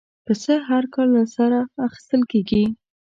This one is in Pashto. پسه هر کال له سره اخېستل کېږي.